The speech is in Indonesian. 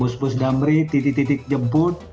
bus bus damri titik titik jemput